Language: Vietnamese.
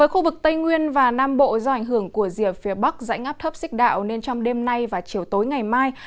khu vực tây nguyên và nam bộ do ảnh hưởng của rìa phía bắc dãy ngắp thấp xích đạo nên trong đêm nay và chiều tối ngày mai